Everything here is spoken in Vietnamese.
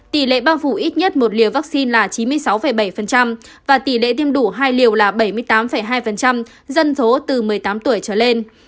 tỷ lệ bao phủ ít nhất một liều vaccine là chín mươi sáu bảy và tỷ lệ tiêm đủ hai liều là bảy mươi tám hai dân số từ một mươi tám tuổi trở lên